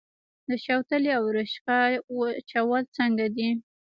د شوتلې او رشقه وچول څنګه دي؟